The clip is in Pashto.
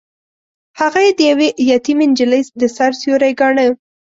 هغه يې د يوې يتيمې نجلۍ د سر سيوری ګاڼه.